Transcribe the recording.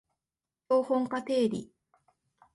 標本化定理